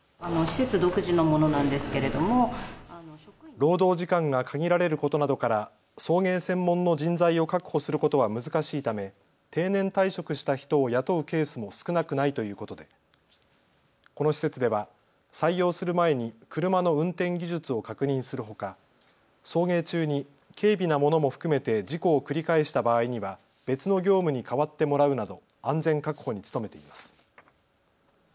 労働時間が限られることなどから送迎専門の人材を確保することは難しいため定年退職した人を雇うケースも少なくないということでこの施設では採用する前に車の運転技術を確認するほか送迎中に軽微なものも含めて事故を繰り返した場合には別の業務に変わってもらうなど安全確保に努めています。